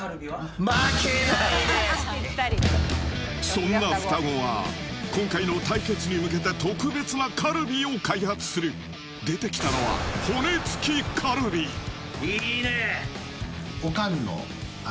そんなふたごは今回の対決に向けて特別なカルビを開発する出てきたのはいいね！